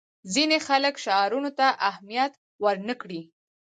ځینې خلک شعارونو ته اهمیت ورنه کړي.